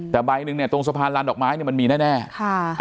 แต่ใบหนึ่งเนี่ยตรงสะพานลานดอกไม้เนี่ยมันมีแน่แน่ค่ะ